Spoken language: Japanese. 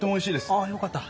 あよかった。